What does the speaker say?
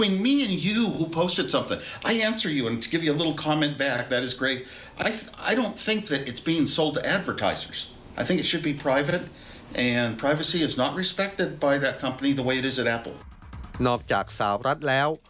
นอกจากสาวรัฐแล้ว